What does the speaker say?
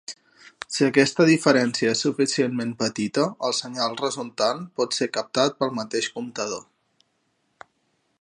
Si aquesta diferència és suficientment petita, el senyal resultant pot ser captat pel mateix comptador.